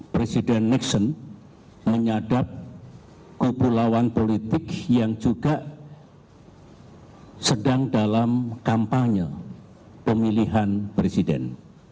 presiden nixon menyadap kubu lawan politik yang juga sedang dalam kampanye pemilihan presiden